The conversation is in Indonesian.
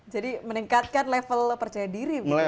jadi meningkatkan level percaya diri